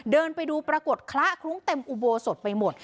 เดินไปดูปรากฏคละคลุ้งเต็มอุโบสถไปหมด